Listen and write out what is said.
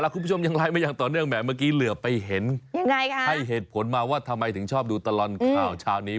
คุณผู้ชมยังไลก์ไหมต่อเนื่องแหมมันกีเป็นเหตุผลทำไมคุณชอบดูตลอนข่าวนี้